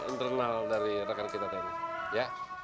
itu internal dari rekan kita tni